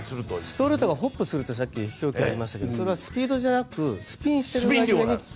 ストレートがホップすると言いましたけどそれはスピードじゃなくてスピンしている間に。